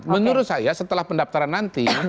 menurut saya setelah pendaftaran nanti